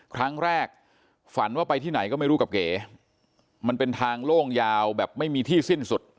ครั้งแรกฝันว่าไปที่ไหนก็ไม่รู้กับเก๋มันเป็นทางโล่งยาวแบบไม่มีที่สิ้นสุด